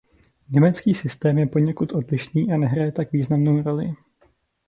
Německý systém je poněkud odlišný a nehraje tak významnou roli.